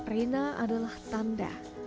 rina adalah tanda